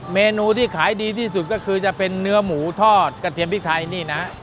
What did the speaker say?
เมนูที่ขายดีที่สุดก็คือจะเป็นเนื้อหมูทอดกระเทียมพริกไทยนี่นะ